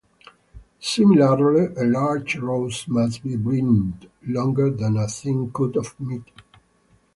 Similarly, a large roast must be brined longer than a thin cut of meat.